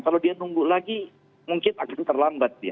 kalau dia nunggu lagi mungkin akan terlambat ya